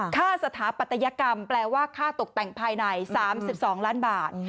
สถาปัตยกรรมแปลว่าค่าตกแต่งภายใน๓๒ล้านบาท